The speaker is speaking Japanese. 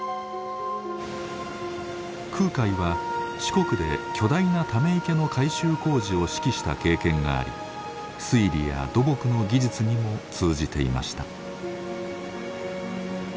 空海は四国で巨大なため池の改修工事を指揮した経験があり水利や土木の技術にも通じていました。